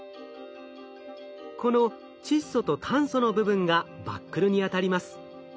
この窒素と炭素の部分がバックルにあたります。